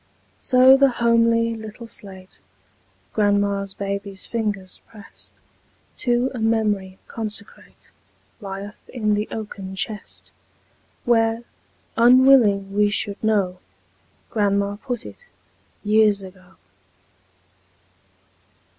So the homely little slate Grandma's baby's fingers pressed, To a memory consecrate, Lieth in the oaken chest, Where, unwilling we should know, Grandma put it, years ago.